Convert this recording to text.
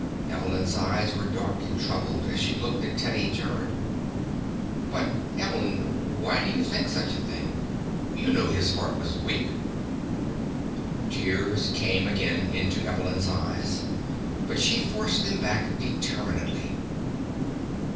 Evelyn's eyes were dark and troubled as she looked at Teddy Gerrod. "But, Evelyn, why do you think such a thing? You knew his heart was weak." Tears came again into Evelyn's eyes, but she forced them back determinedly.